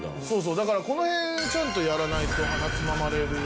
だからこの辺ちゃんとやらないとはなつままれるよと思いますね。